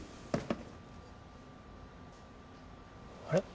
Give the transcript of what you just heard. あれ！？